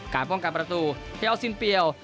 การป้องกันประตูเทอลซินเปียล